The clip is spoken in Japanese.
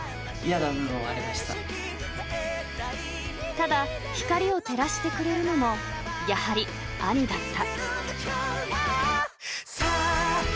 ［ただ光を照らしてくれるのもやはり兄だった］